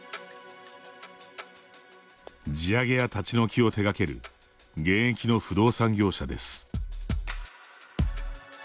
地上げや立ち退きを手がける現役の不動産業者です。